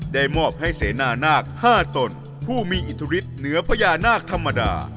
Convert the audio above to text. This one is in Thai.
ได้มอบให้เสนานาค๕ตนผู้มีอิทธิฤทธิเหนือพญานาคธรรมดา